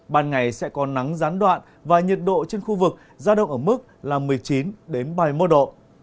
ban ngày sẽ có nắng gián đoạn và nhiệt độ trên khu vực giao động ở mức là một mươi chín ba mươi một độ